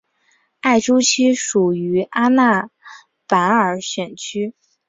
艾珠区是属于阿纳巴尔选区。